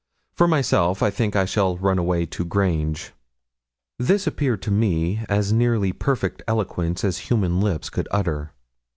For myself, I think I shall run away to Grange.' This appeared to me as nearly perfect eloquence as human lips could utter.